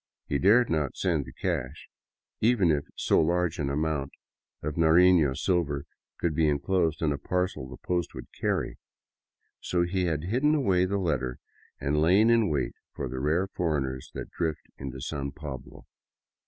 He dared not send the cash, even if so large an amount of Narifio silver could be enclosed in a parcel the post would carry. So he had hidden the letter away and lain in wait for the rare foreigners that drift into San Pablo.